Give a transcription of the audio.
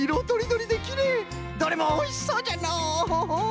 どれもおいしそうじゃのう！